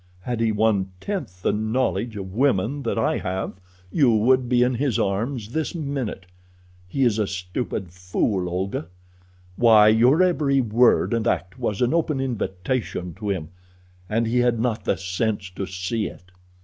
Had he one tenth the knowledge of women that I have you would be in his arms this minute. He is a stupid fool, Olga. Why, your every word and act was an open invitation to him, and he had not the sense to see it."